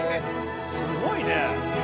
すごいね。